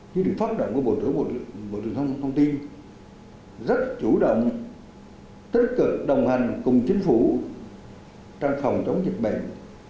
như được phát động của bộ trưởng thông tin rất chủ động tích cực đồng hành cùng chính phủ trang phòng chống dịch bệnh